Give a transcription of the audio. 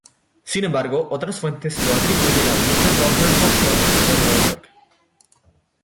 Sin embargo, otras fuentes lo atribuyen al Knickerbocker Hotel de Nueva York.